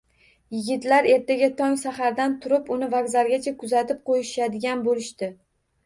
Yigitlar ertaga tong-sahardan turib uni vokzalgacha kuzatib qo`yishadigan bo`lishdi